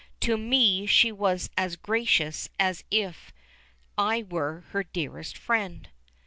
To me she was as gracious as if I were her dearest friend.